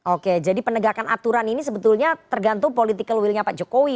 oke jadi penegakan aturan ini sebetulnya tergantung political willnya pak jokowi